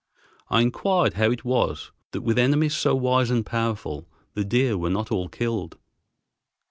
I inquired how it was that with enemies so wise and powerful the deer were not all killed.